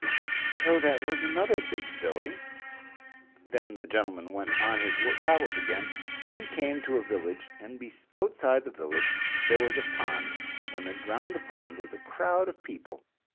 So that was another big silly. Then the gentleman went on his travels again; and he came to a village, and outside the village there was a pond, and round the pond was a crowd of people.